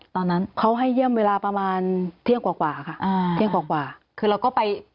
ตอนนั้นเขาให้เยี่ยมเวลาประมาณเที่ยงกว่ากว่าค่ะอ่าเที่ยงกว่ากว่าคือเราก็ไป